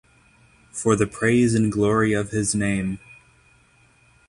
for the praise and glory of his name